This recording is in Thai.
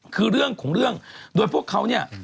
คือเรื่องของเรื่องโดยพวกเขาเนี่ย